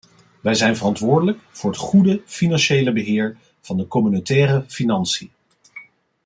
We zijn verantwoordelijk voor het goede financiële beheer van de communautaire financiën.